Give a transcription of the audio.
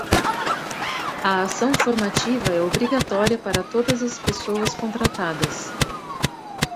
A ação formativa é obrigatória para todas as pessoas contratadas.